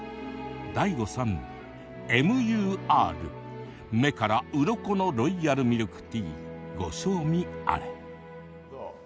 ＤＡＩＧＯさん「Ｍ・Ｕ・Ｒ」目からうろこのロイヤルミルクティーご賞味あれ。